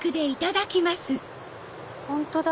本当だ！